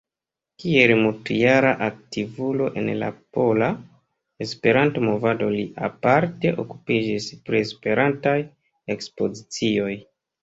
Kiel multjara aktivulo en la pola Esperanto-movado li aparte okupiĝis pri Esperantaj ekspozicioj.